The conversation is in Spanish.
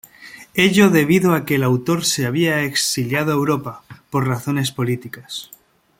Ello debido a que el autor se había exiliado a Europa, por razones políticas.